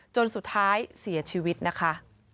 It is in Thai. จนสุดท้ายเสียชีวิตนะคะ